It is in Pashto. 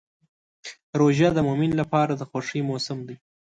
روژه د مؤمن لپاره د خوښۍ موسم دی.